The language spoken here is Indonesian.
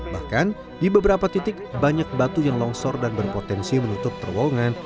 bahkan di beberapa titik banyak batu yang longsor dan berpotensi menutup terowongan